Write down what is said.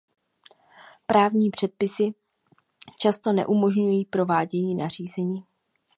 Právní předpisy často neumožňují provádění nařízení.